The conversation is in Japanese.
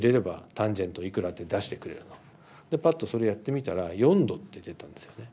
でぱっとそれやってみたら「４°」って出たんですよね。